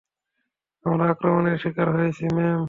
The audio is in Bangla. আমরা আক্রমণের শিকার হয়েছি, ম্যাম।